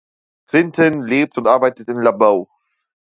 Clinton lebt und arbeitet in Laboe.